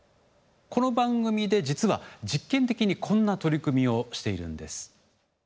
この番組で実は実験的にこんな取り組みをしているんです。